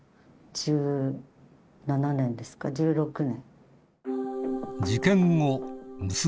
１７年ですか１６年。